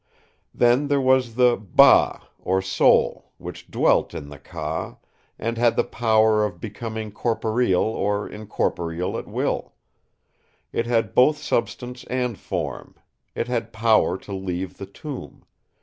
Then there was the 'Ba', or 'soul', which dwelt in the 'Ka', and had the power of becoming corporeal or incorporeal at will; 'it had both substance and form.... It had power to leave the tomb....